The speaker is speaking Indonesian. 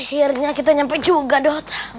hai akhirnya kita nyampe juga dot